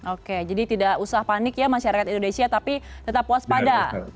oke jadi tidak usah panik ya masyarakat indonesia tapi tetap waspada